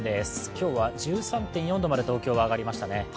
今日は１３．４度まで東京は上がりましたね。